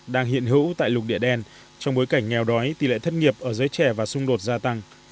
đang hiện hữu tại lục địa đen trong bối cảnh nghèo đói tỷ lệ thất nghiệp ở giới trẻ và xung đột gia tăng